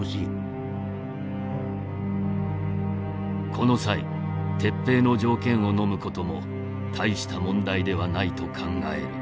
この際撤兵の条件をのむことも大した問題ではないと考える。